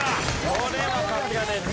これはさすがです。